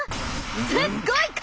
すっごい顔！